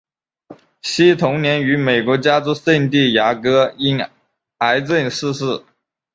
惜同年于美国加州圣地牙哥因癌症逝世。